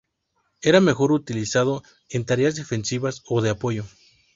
Era mejor utilizado en tareas defensivas o de apoyo.